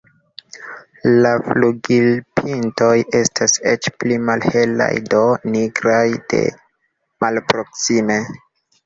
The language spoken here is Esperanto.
La flugilpintoj estas eĉ pli malhelaj, do nigraj de malproksime.